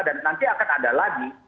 dan nanti akan ada lagi